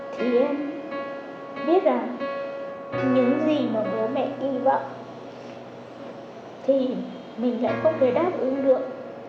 thì em biết rằng những gì mà bố mẹ kỳ vọng thì mình lại không thể đáp ứng được